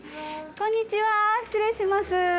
こんにちは失礼します。